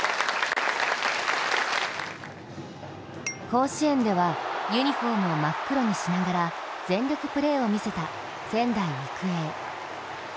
甲子園では、ユニフォームを真っ黒にしながら全力プレーを見せた仙台育英。